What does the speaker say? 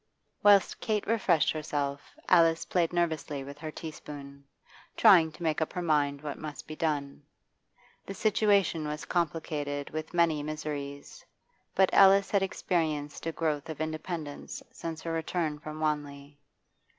Whilst Kate refreshed herself, Alice played nervously with her tea spoon, trying to make up her mind what must be done. The situation was complicated with many miseries, but Alice had experienced a growth of independence since her return from Wanley.